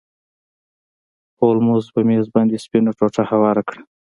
هولمز په میز باندې سپینه ټوټه هواره کړه.